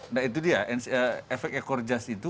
nah itu dia efek ekor jas itu